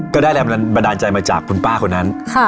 ก็ได้แรงบันดาลใจมาจากคุณป้าคนนั้น